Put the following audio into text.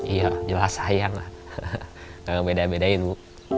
ia jelas sayang lah gak beda bedain bu